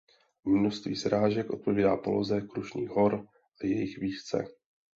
Množství srážek odpovídá poloze Krušných hor a jejich výšce.